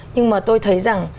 nhưng mà tôi thấy rằng